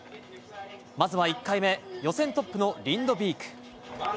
まずは１回目予選トップのリンドビーク。